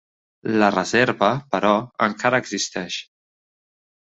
La reserva, però, encara existeix.